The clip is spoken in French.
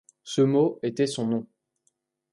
Ce mot était son nom.